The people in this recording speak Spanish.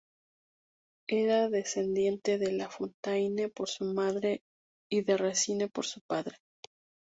Era descendiente de La Fontaine por su madre y de Racine por su padre.